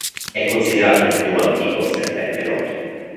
È considerato il più antico serpente noto.